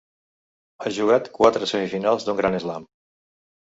Ha jugat quatre semifinals d'un Gran Slam.